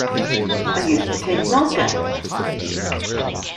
I used to take milk out.